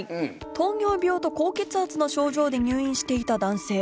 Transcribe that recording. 糖尿病と高血圧の症状で入院していた男性。